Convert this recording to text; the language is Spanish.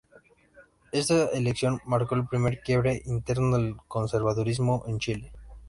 Esta elección marcó el primer quiebre interno del conservadurismo en Chile.